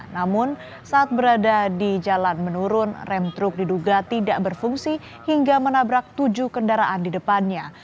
namun saat berada di jalan menurun rem truk diduga tidak berfungsi hingga menabrak tujuh kendaraan di depannya